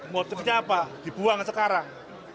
motifnya apa dibuang sekarang